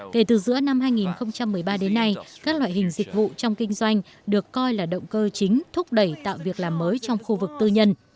kể từ giữa năm hai nghìn một mươi ba đến nay các loại hình dịch vụ trong kinh doanh được coi là động cơ chính thúc đẩy tạo việc làm mới trong khu vực tư nhân